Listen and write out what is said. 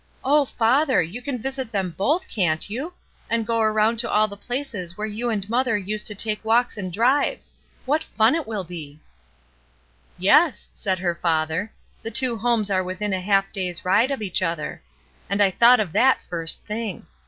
''Oh, father! you can visit them both, can't you? And go around to all the places where you and mother used to take walks and drives. What fun it will be !" SURPRISES 331 "Yes," said her father. "The two homes are within a half day's ride of each other. I thought of that the first thing.